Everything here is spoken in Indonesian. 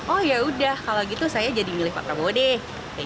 oh yaudah kalau gitu saya jadi milih pak prabowo deh